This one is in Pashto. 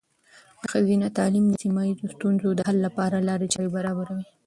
د ښځینه تعلیم د سیمه ایزې ستونزو د حل لپاره لارې چارې برابروي.